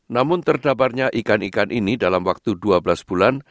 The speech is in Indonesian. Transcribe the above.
namun terdamparnya ikan ikan ini dalam waktu dua belas bulan